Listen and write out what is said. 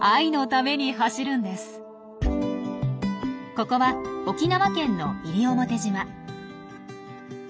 ここは沖縄県の西表島。